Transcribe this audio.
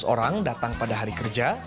seratus orang datang pada hari kerja